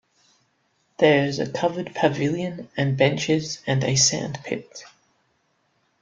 There is a covered pavilion and benches and a sand pit.